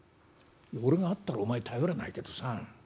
「俺があったらお前頼らないけどさ。